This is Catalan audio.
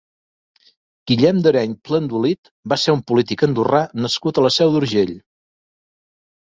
Guillem d'Areny-Plandolit va ser un polític andorrà nascut a la Seu d'Urgell.